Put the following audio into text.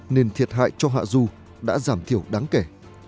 nên thiệt hại cho hạ du đã giảm thiểu đáng kể